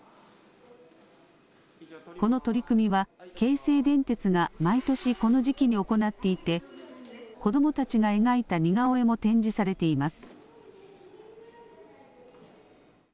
この取り組みは京成電鉄が毎年、この時期に行っていて子どもたちが描いた似顔絵も展示されています。